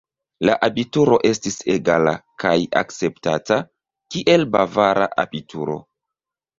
La abituro estis egala kaj akceptata, kiel bavara abituro.